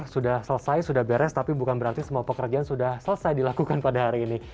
sudah selesai sudah beres tapi bukan berarti semua pekerjaan sudah selesai dilakukan pada hari ini